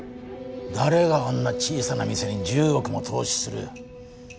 誰があんな小さな店に１０億も投資する。